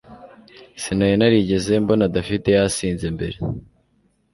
Sinari narigeze mbona David yasinze mbere